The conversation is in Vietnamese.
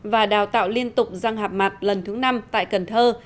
và đào tạo liên tục răng hạp mặt lần thứ năm tại cần thơ